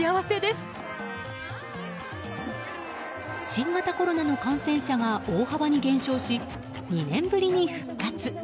新型コロナの感染者が大幅に減少し、２年ぶりに復活。